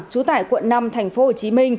trú tải quận năm tp hcm